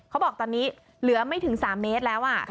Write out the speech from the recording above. เขาบอกตอนนี้เหลือไม่ถึง๓เมตรแล้ว